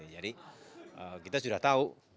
jadi kita sudah tahu